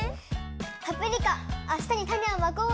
「パプリカあしたにたねをまこう！